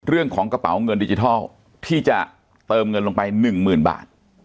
เรื่องของกระเป๋าเงินดิจิทัลที่จะเติมเงินลงไป๑๐๐๐บาท